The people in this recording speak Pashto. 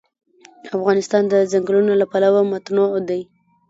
افغانستان د ځنګلونه له پلوه متنوع دی.